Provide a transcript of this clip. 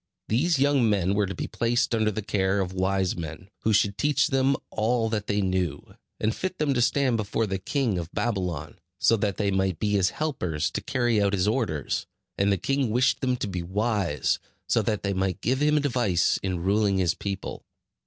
These young men were to be placed under the care of wise men, who should teach them all that they knew, and fit them to stand before the king of Babylon, so that they might be his helpers to carry out his orders; and the king wished them to be wise, so that they might give him advice in ruling his people.